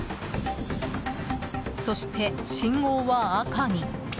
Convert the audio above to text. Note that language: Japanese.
そして、信号は赤に。